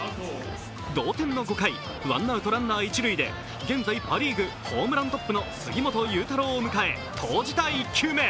同点の５回、ワンアウト・ランナー一塁で現在、パ・リーグホームラントップの杉本裕太郎を迎え投じた１球目。